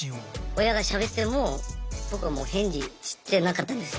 親がしゃべっても僕はもう返事してなかったんですよ。